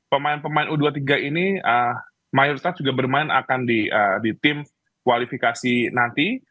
pemain pemain u dua puluh tiga ini mayoritas juga bermain akan di tim kualifikasi nanti